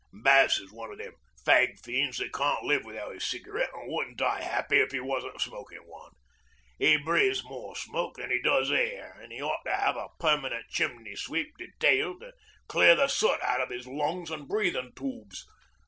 'Bass is one of them fag fiends that can't live without a cigarette, and wouldn't die happy if he wasn't smokin' one. 'E breathes more smoke than 'e does air, an' 'e ought to 'ave a permanent chimney sweep detailed to clear the soot out of 'is lungs an' breathin' toobs.